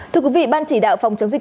thưa quý vị ban chỉ đạo phòng chống dịch